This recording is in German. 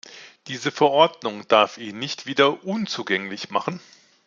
Diese Verordnung darf ihn nicht wieder unzugänglich machen.